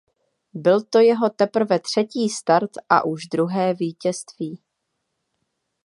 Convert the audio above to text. Byl to jeho teprve třetí start a už druhé vítězství.